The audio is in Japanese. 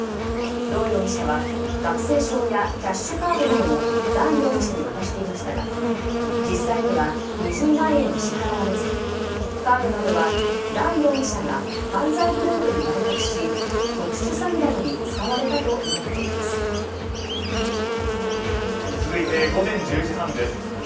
ドー容疑者は学生証やキャッシュカードなどもダン容疑者に渡していましたが実際には２０万円は支払われずカードなどはダン容疑者が犯罪グループに売却し特殊詐欺などに続いて午前１０時半です。